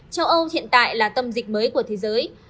châu âu hiện tại là tâm dịch mới của thế giới